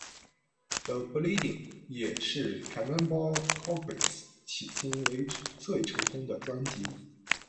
《The Bleeding》也是 Cannibal Corpse 迄今为止最成功的专辑。